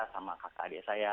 sama kakak adik saya